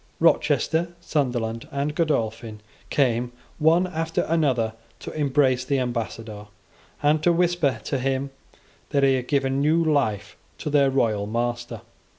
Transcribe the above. Rochester, Sunderland, and Godolphin came, one after another, to embrace the ambassador, and to whisper to him that he had given new life to their royal master.